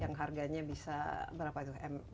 yang harganya bisa berapa itu